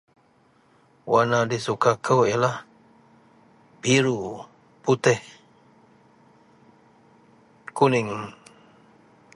Warna disuka kou yalah biru, putih kuning.